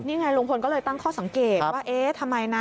นี่ไงลุงพลก็เลยตั้งข้อสังเกตว่าเอ๊ะทำไมนะ